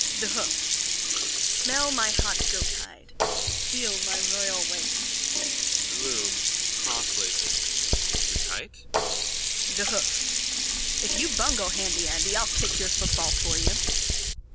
THE HOOF: Smell my hot goathide. Feel my royal weight. BLOOM: (Crosslacing.) Too tight? THE HOOF: If you bungle, Handy Andy, I'll kick your football for you.